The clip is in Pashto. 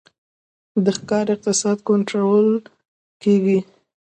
د ښکار اقتصاد کنټرول کیږي